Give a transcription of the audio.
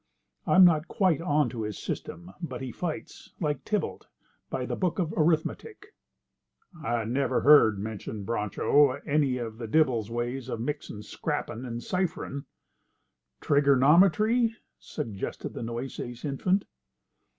I'm not quite onto his system, but he fights, like Tybalt, by the book of arithmetic." "I never heard," mentioned Broncho, "about any of Dibble's ways of mixin' scrappin' and cipherin'." "Triggernometry?" suggested the Nueces infant.